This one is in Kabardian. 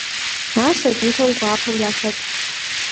Ар сабийхэм гуапэу яхэтт.